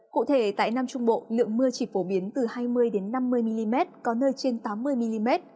cụ thể tại nam trung bộ lượng mưa chỉ phổ biến từ hai mươi năm mươi mm có nơi trên tám mươi mm